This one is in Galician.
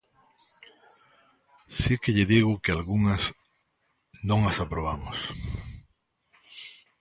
Si que lle digo que algunhas non as aprobamos.